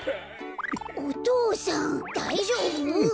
お父さんだいじょうぶ？